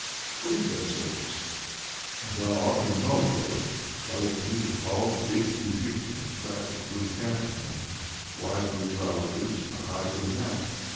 "What is the service?" "When thou art in Novgorod, thou wilt meet a tall, big moujik in a plaited blue caftan, wide blue trowsers, and a high blue hat.